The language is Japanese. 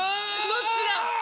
どっちだ？